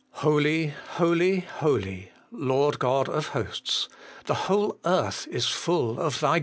Holy, holy, holy, Lord God of hosts ! the whole earth is full of Thy glory